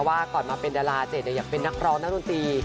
ว่าก่อนมาเป็นดราเจดเลยอยากเป็นนักร้องเริ่มทำดี